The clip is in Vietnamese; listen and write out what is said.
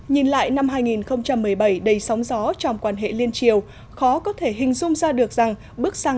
nhìn lại năm hai nghìn một mươi bảy đầy sóng gió trong quan hệ liên triều khó có thể hình dung ra được rằng bước sang